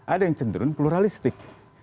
ada yang cenderung pluralistik